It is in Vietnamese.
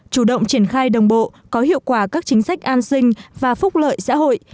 chủ động triển khai đồng bộ có hiệu quả các chính sách an sinh và phúc lợi xã hội